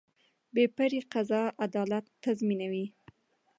بې پرې قضا عدالت تضمینوي